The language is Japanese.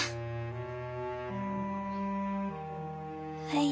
はい。